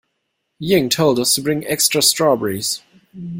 Ying told us to bring extra strawberries.